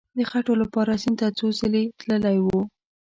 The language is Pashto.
د خټو لپاره سیند ته څو ځله تللی وو.